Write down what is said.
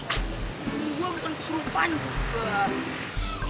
gua bukan kesurupan juga